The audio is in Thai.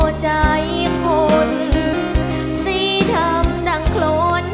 เธอใจคนสีดำดังโคลน